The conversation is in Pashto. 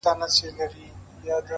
پوه انسان له هر حالت زده کوي،